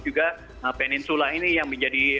juga peninsula ini yang menjadi